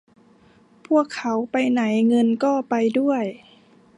พวกเขาไปไหนเงินก็ไปด้วย